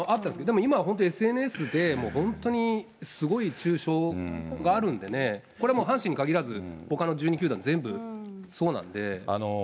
でも今は本当にＳＮＳでもう本当にすごい中傷があるんでね、これはもう、阪神に限らず、ほかの１２球団全部そうなんで。